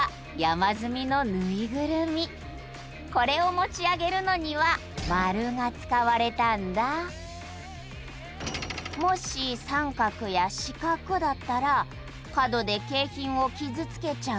これを持ち上げるのにはもし三角や四角だったら角で景品を傷つけちゃう。